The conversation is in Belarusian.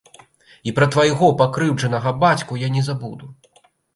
І пра твайго пакрыўджанага бацьку я не забуду.